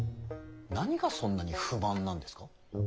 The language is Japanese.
何がそんなに不満なんですか？